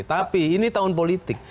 tapi ini tahun politik